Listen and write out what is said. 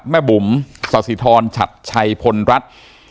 แม่บุ๋มศาสิธริชัดชัยพลรัท